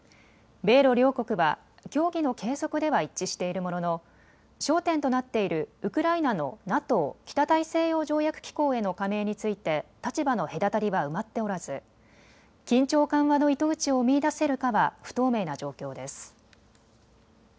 米ロ両国は協議の継続では一致しているものの焦点となっているウクライナのＮＡＴＯ・北大西洋条約機構への加盟について立場の隔たりは埋まっておらず緊張緩和の糸口を見いだせるかは不透明な状況です。